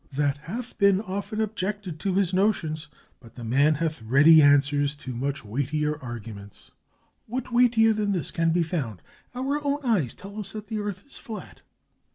"" That hath been often objected to his notions; but the man hath ready answers to much weightier arguments." "What weightier than this can be found? Our own eyes tell us that the earth is flat."